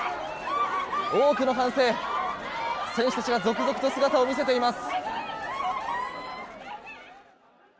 多くの歓声選手たちが続々と姿を見せています。